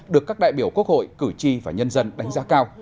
được các đại biểu quốc hội cử tri và nhân dân đánh giá cao